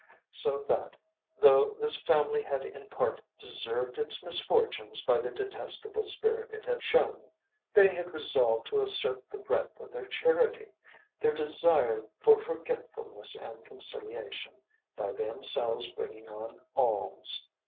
So that, though this family had in part deserved its misfortunes by the detestable spirit it had shown, they had resolved to assert the breadth of their charity, their desire for forgetfulness and conciliation, by themselves bringing on alms.